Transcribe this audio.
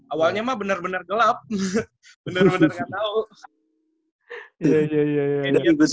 awalnya mah bener bener gelap bener bener gak tau